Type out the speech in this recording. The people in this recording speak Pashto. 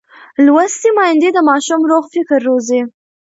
لوستې میندې د ماشوم روغ فکر روزي.